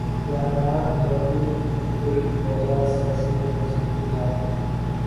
یہاں نہ ٹھہرنے کی ایک وجہ سیاسی بھی ہو سکتی ہے۔